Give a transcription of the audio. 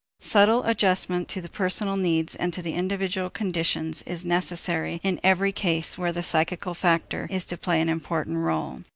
Subtle adjustment to the personal needs and to the individual conditions is necessary in every case where the psychical factor is to play an important rôle.